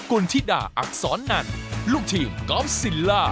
คุณธิดาอักษรนันลูกทีมกอล์ฟซิลล่า